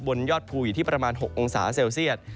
ยอดภูอยู่ที่ประมาณ๖องศาเซลเซียต